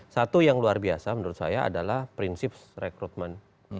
satu yang luar biasa menurut saya adalah prinsip rekrutmen